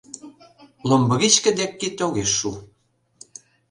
Ломбыгичке дек кид огеш шу.